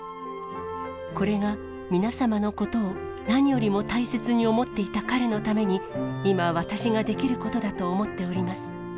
これが皆様のことを何よりも大切に思っていた彼のために、今、私ができることだと思っております。